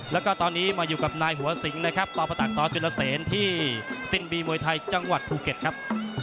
แล้วก็ตอนนี้มาอยู่กับนายหัวสิงนะครับต่อประตักษจุลเซนที่ซินบีมวยไทยจังหวัดภูเก็ตครับ